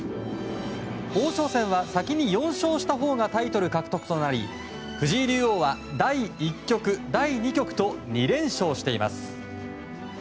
王将戦は先に４勝したほうがタイトル獲得となり藤井竜王は第１局、第２局と２連勝しています。